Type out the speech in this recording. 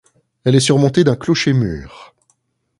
Elle est surmontée d’un clocher-mur.